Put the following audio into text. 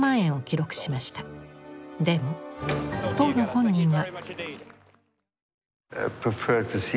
でも当の本人は。